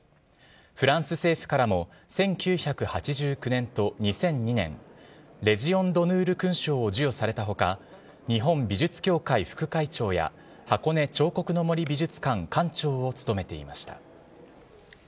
フランス政府からも１９８９年と２００２年レジオン・ドヌール勲章を授与された他日本美術協会副会長や箱根彫刻の森美術館館長を務めていました。